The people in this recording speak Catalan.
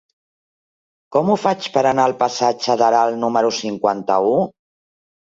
Com ho faig per anar al passatge d'Aral número cinquanta-u?